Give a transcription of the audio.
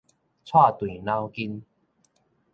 掣斷腦筋